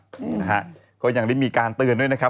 เพราะอย่างนี้มีการเตือนด้วยนะครับ